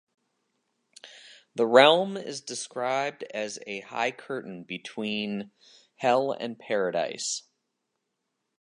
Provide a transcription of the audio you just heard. The realm is described as a high curtain between hell and paradise.